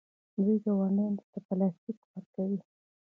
دوی ګاونډیانو ته پلاستیک ورکوي.